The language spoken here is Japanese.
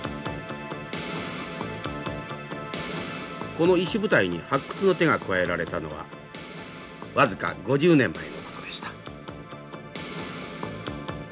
この石舞台に発掘の手が加えられたのは僅か５０年前のことでした。